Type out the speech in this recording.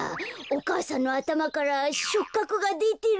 お母さんのあたまからしょっかくがでてるのを。